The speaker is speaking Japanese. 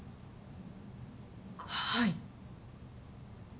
はい。